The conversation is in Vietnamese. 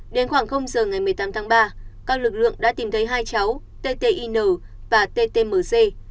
đến khoảng giờ ngày một mươi tám tháng ba các lực lượng đã tìm thấy hai cháu t t i n và t t m g